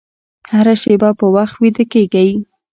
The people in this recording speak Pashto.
هره شپه په وخت ویده کېږئ.